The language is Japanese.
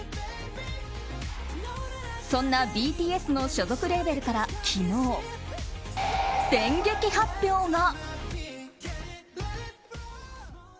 そんなＢＴＳの所属レーベルから昨日、電撃発表が。